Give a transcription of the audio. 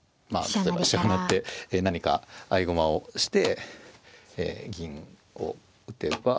例えば飛車成って何か合駒をして銀を打てば詰み。